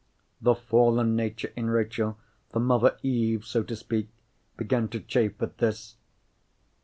The fallen nature in Rachel—the mother Eve, so to speak—began to chafe at this.